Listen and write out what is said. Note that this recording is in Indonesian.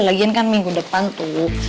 lagian kan minggu depan tuh